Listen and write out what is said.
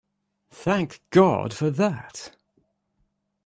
Thank God for that!